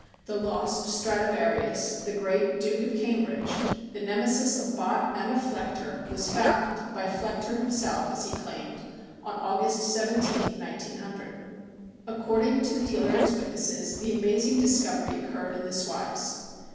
The lost Stradivarius the great "Duke of Cambridge" the nemesis of Bott and of Flechter was found by Flechter himself, as he claimed, on August 17, 1900. According to the dealer and his witnesses the amazing discovery occurred in this wise.